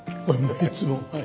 いつも。